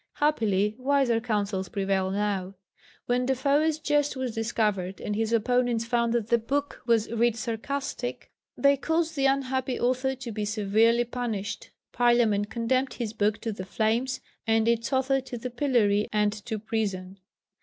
Happily wiser counsels prevail now. When Defoe's jest was discovered, and his opponents found that the book was "writ sarcastic," they caused the unhappy author to be severely punished. Parliament condemned his book to the flames, and its author to the pillory and to prison.